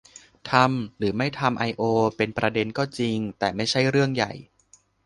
ทำ หรือไม่ทำไอโอ เป็นประเด็นก็จริง แต่ไม่ใช่เรื่องใหญ่